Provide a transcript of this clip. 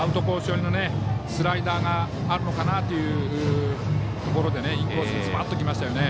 寄りのスライダーがあるのかなというところでインコースにずばっと来ましたね。